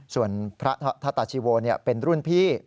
ส่วนพระธตาชีโวเป็นรุ่นพี่